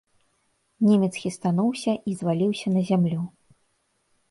Немец хістануўся і зваліўся на зямлю.